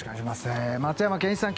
松山ケンイチさん